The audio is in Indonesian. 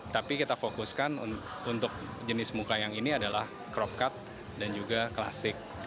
tapi kita fokuskan untuk jenis muka yang ini adalah cropcut dan juga klasik